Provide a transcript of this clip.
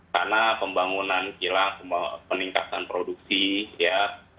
karena pembangunan kilang peningkatan produksi ya